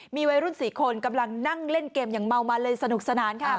มีวัยรุ่น๔คนกำลังนั่งเล่นเกมอย่างเมามันเลยสนุกสนานค่ะ